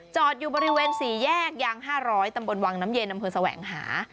อยู่บริเวณ๔แยกยาง๕๐๐ตำบลวังน้ำเย็นอำเภอแสวงหา